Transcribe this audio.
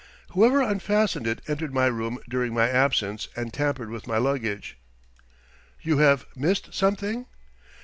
"Whoever unfastened it entered my room during my absence and tampered with my luggage." "You have missed something?"